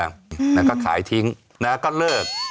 แล้วก็ขายทิ้งนะก็เลิก